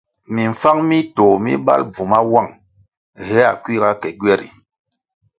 Mimfáng mi tôh bal bvu mawuang héa kuiga ke gyweri.